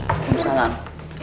banget dulu ya jangan juga tutup ya